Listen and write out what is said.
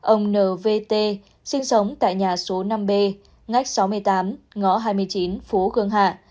ông n v t sinh sống tại nhà số năm b ngách sáu mươi tám ngõ hai mươi chín phố khương hạ